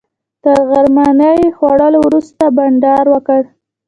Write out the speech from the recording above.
تر غرمنۍ خوړلو وروسته بانډار وکړ.